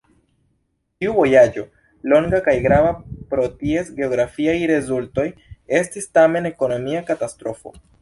Tiu vojaĝo, longa kaj grava pro ties geografiaj rezultoj, estis tamen ekonomia katastrofo.